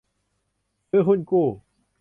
ซื้อหุ้นกู้